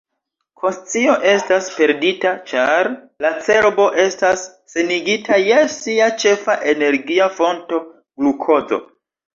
Konscio estas perdita ĉar la cerbo estas senigita je sia ĉefa energia fonto, glukozo.